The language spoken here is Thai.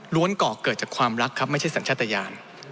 ก่อเกิดจากความรักครับไม่ใช่สัญชาติยาน